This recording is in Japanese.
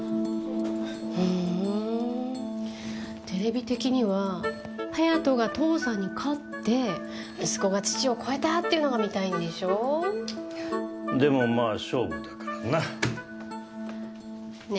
ふーん、テレビ的には颯人が父さんに勝って、息子が父を超えたっていうのでもまあ、勝負だからな。